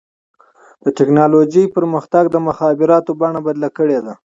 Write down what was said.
د ټکنالوجۍ پرمختګ د مخابراتو بڼه بدله کړې ده.